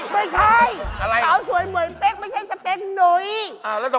เดี๋ยวพี่จะไปดิ้ยินเข้าเดี๋ยวหาว่าปอก